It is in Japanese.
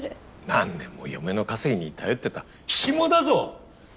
何年も嫁の稼ぎに頼ってたひもだぞ！